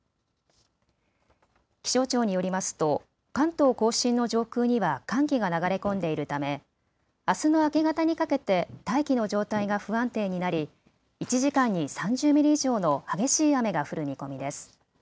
気象庁によりますと関東甲信の上空には寒気が流れ込んでいるため、あすの明け方にかけて大気の状態が不安定になり１時間に３０ミリ以上の激しい雨が降る見込みです。